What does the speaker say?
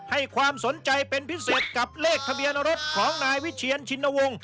ให้ความสนใจเป็นพิเศษกับเลขทะเบียนรถของนายวิเชียนชินวงศ์